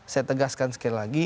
saya tegaskan sekali lagi